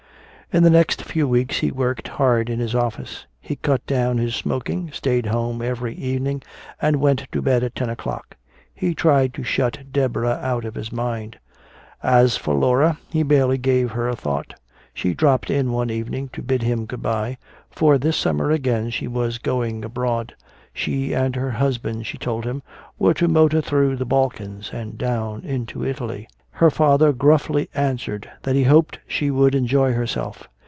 In the next few weeks, he worked hard in his office. He cut down his smoking, stayed home every evening and went to bed at ten o'clock. He tried to shut Deborah out of his mind. As for Laura, he barely gave her a thought. She dropped in one evening to bid him good bye, for this summer again she was going abroad. She and her husband, she told him, were to motor through the Balkans and down into Italy. Her father gruffly answered that he hoped she would enjoy herself.